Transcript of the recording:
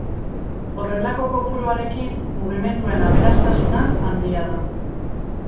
Horrelako kopuruarekin mugimenduen aberastasuna handia da.